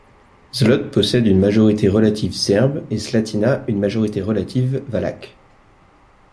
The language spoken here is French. Zlot possède une majorité relative serbe et Slatina une majorité relative valaque.